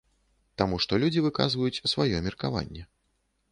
Таму што людзі выказваюць сваё меркаванне.